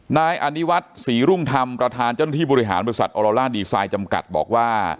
นายอนิวัฒน์ศรีรุ่งธรรมประธานเจ้าหน้าที่บริหารบริษัทออโลล่าดีไซน์จำกัดบอกว่า